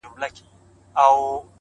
• لوبي وې ـ